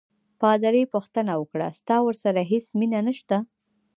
پادري پوښتنه وکړه: ستا ورسره هیڅ مینه نشته؟